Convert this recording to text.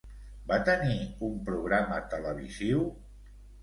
Va tenir un programa televisiu?